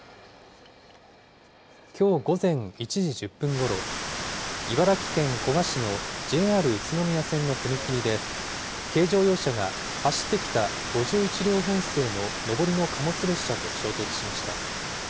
きょう午前１時１０分ごろ、茨城県古河市のＪＲ宇都宮線の踏切で、軽乗用車が、走ってきた５１両編成の上りの貨物列車と衝突しました。